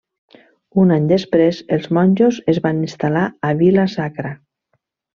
Un any després, els monjos es van instal·lar a Vila-sacra.